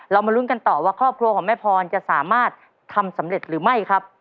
มาลุ้นกันต่อว่าครอบครัวของแม่พรจะสามารถทำสำเร็จหรือไม่ครับ